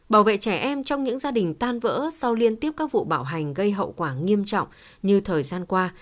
bảo vệ trẻ em trong những gia đình tan vỡ sau liên tiếp các vụ bạo hành gây hậu quả nghiêm trọng như thời gian qua